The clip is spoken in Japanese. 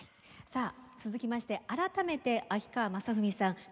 さあ続きまして改めて秋川雅史さん